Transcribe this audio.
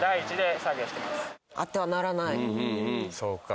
そうか。